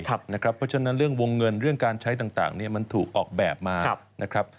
เพราะฉะนั้นเรื่องวงเงินเรื่องการใช้ต่างมันถูกออกแบบมานะครับ